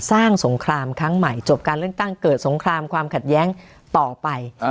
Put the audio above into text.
สงครามครั้งใหม่จบการเลือกตั้งเกิดสงครามความขัดแย้งต่อไป